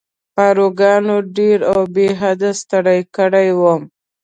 پاروګانو ډېر او بې حده ستړی کړی وم.